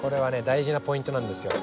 大事なポイントなんですよ。